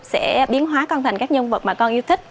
sẽ biến hóa con thành các nhân vật mà con yêu thích